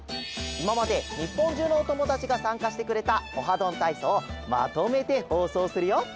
いままでにっぽんじゅうのおともだちがさんかしてくれた「オハどんたいそう」をまとめてほうそうするよ。